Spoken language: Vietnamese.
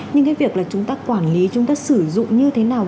nhưng cái việc là chúng ta quản lý chúng ta sử dụng như thế nào